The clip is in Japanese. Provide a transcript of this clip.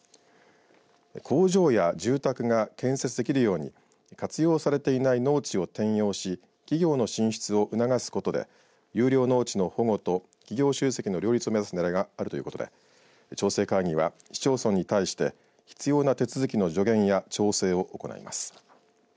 工場や住宅が建設できるように活用されていないの農地を転用し企業の進出を促すことで優良農地の保護と企業集積の両立を目指すねらいがあるということで調整会議は、市町村に対して必要な手続きの助言や調整を行います。